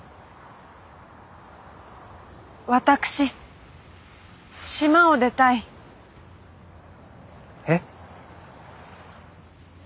私島を出たい。え？